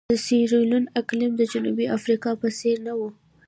د سیریلیون اقلیم د جنوبي افریقا په څېر نه وو.